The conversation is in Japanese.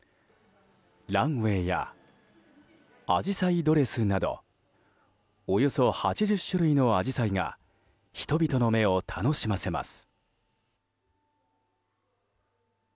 ランウェーやアジサイドレスなどおよそ８０種類のアジサイが人々の目を楽しませます。